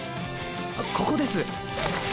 ここです。